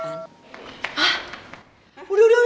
adriana udah terima